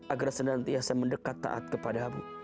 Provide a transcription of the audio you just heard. agar senantiasa mendekat taat kepada mu